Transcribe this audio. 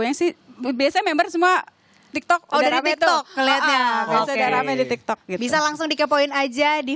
banyak sih biasanya member semua tiktok udah rame tuh ngeliatnya oke bisa langsung dikepoin aja di